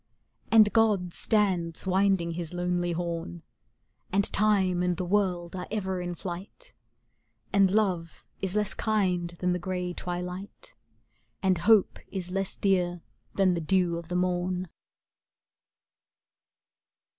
And God stands winding his lonely horn ; And Time and the World are ever in flight, And love is less kind than the gray twi light, And hope is less dear than the dew of the morn.